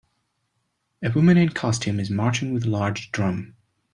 A woman in costume is marching with a large drum.